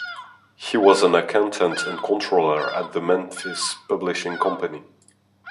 He was an accountant and controller at the Memphis Publishing Company.